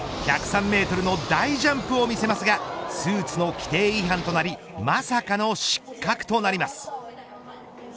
１０３メートルの大ジャンプを見せますがスーツの規定違反となりまさかの失格となります。